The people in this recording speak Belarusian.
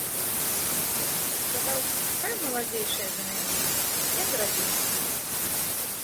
Сказаў, хай маладзейшыя за мяне, я зрабіў, што мог.